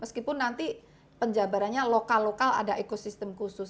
meskipun nanti penjabarannya lokal lokal ada ekosistem khusus